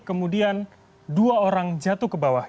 kemudian dua orang jatuh ke bawah